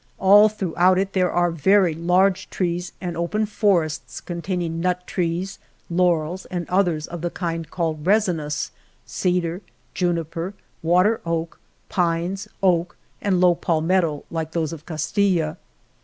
All throughout it there are very large trees and open forests con taining nut trees, laurels and others of the kind called resinous, cedar, juniper, water oak, pines, oak and low palmetto, like those of Castilla.